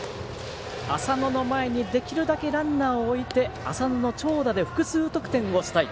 浅野の前にできるだけランナーを置いて浅野の長打で複数得点をしたい